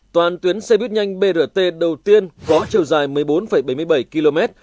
toàn tuyến xe buýt nhanh brt đầu tiên có chiều dài một mươi bốn bảy mươi bảy km